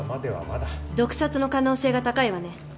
毒殺の可能性が高いわね。